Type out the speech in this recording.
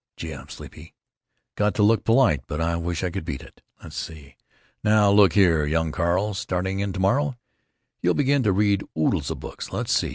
Gee! I'm sleepy! Got to look polite, but I wish I could beat it.... Let's see. Now look here, young Carl; starting in to morrow, you begin to read oodles of books. Let's see.